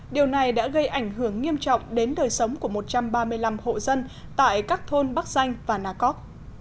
điều này đã gây ảnh hưởng nghiêm trọng đến đời sống của một trăm ba mươi năm hộ dân tại các thôn bắc danh và nà cóc